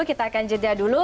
kita akan jeda dulu